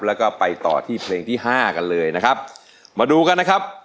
แล้วก็ไปต่อที่เพลงที่ห้ากันเลยนะครับมาดูกันนะครับ